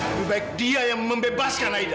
lebih baik dia yang membebaskan aida